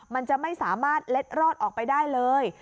มันจะไม่สามารถเล็ดรอดออกไปได้เลย